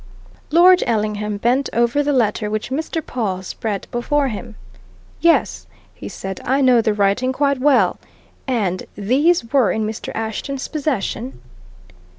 Lord Ellingham bent over the letter which Mr. Pawle spread before him. "Yes," he said, "I know the writing quite well. And these were in Mr. Ashton's possession?"